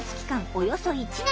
およそ１年。